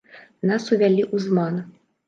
Нас увялі ў зман.